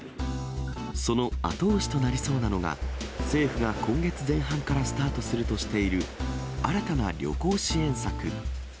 その後押しとなりそうなのが、政府が今月前半からスタートするとしている新たな旅行支援策。